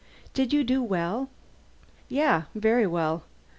"Did you do well?" "Yeah. Very well.